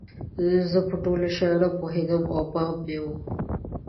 زه په ټولو شیانو پوهیدم او پام مې و.